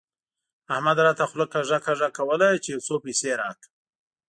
احمد راته خوله کږه کږه کوله چې يو څو پيسې راکړه.